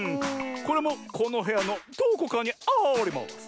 これもこのへやのどこかにあります。